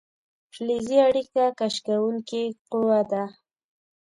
فلزي اړیکه کش کوونکې قوه ده.